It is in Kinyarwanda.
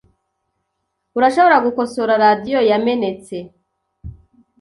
Urashobora gukosora radio yamenetse?